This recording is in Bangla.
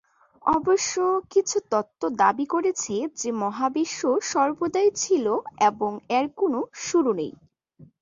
অবশ্য কিছু তত্ত্ব দাবী করেছে যে মহাবিশ্ব সর্বদাই ছিল এবং এর কোন শুরু নেই।